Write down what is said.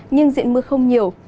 nhưng diện mưa không nhiều